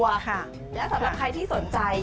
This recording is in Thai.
แล้วสำหรับใครที่สนใจ